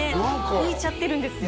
浮いちゃってるんですよ